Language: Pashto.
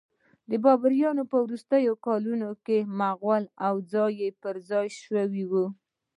بربریان په وروستیو کلونو کې مغلوب او ځای پرځای شوي وو